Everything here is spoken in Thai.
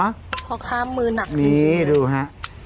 ข้าวค้ามือหนักนี่ดูฮะ